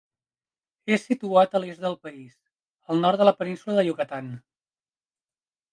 És situat a l'est del país, al nord de la península de Yucatán.